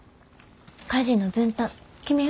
家事の分担決めよ。